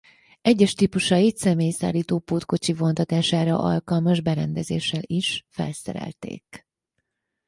Egyes típusait személyszállító pótkocsi vontatására alkalmas berendezéssel is felszerelték.